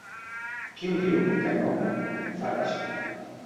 Qui ho diu, que no? —faig.